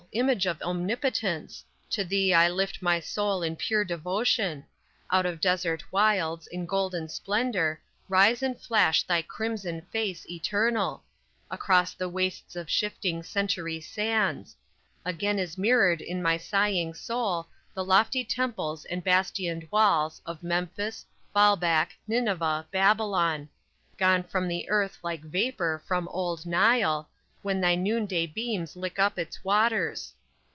Image of Omnipotence! To thee lift I my soul in pure devotion; Out of desert wilds, in golden splendor, Rise and flash thy crimson face, eternal Across the wastes of shifting, century sands; Again is mirrored in my sighing soul The lofty temples and bastioned walls Of Memphis, Balback, Nineveh, Babylon Gone from the earth like vapor from old Nile, When thy noonday beams lick up its waters!